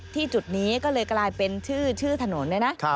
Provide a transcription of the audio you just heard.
จุดนี้ก็เลยกลายเป็นชื่อถนนเนี่ยนะ